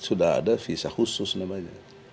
sudah ada visa khusus namanya